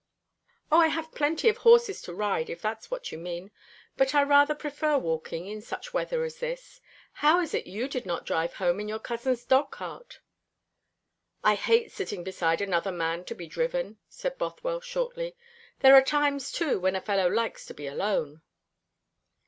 "O, I have plenty of horses to ride, if that is what you mean; but I rather prefer walking, in such weather as this. How is it you did not drive home in your cousin's dog cart?" "I hate sitting beside another man to be driven," said Bothwell shortly. "There are times, too, when a fellow likes to be alone."